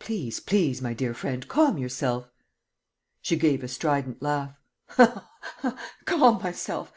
"Please, please, my dear friend, calm yourself...." She gave a strident laugh: "Calm myself!...